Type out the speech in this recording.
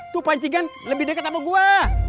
tu pancingan lebih deket sama gue